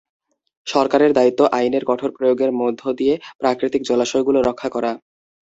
সরকারের দায়িত্ব আইনের কঠোর প্রয়োগের মধ্য দিয়ে প্রাকৃতিক জলাশয়গুলো রক্ষা করা।